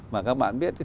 mà các bạn biết